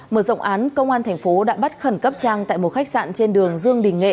mở rộng án công an thành phố đã bắt khẩn cấp trang tại một khách sạn trên đường dương đình nghệ